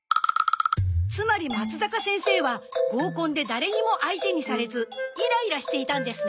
つまりまつざか先生は合コンで誰にも相手にされずイライラしていたんですね？